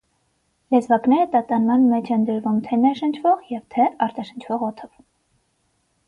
Լեզվակները տատանման մեջ են դրվում թե՛ ներշնվող և թե՝ արտաշնչվող օդով։